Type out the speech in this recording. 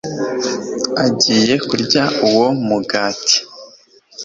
ugiye kurya uwo mugati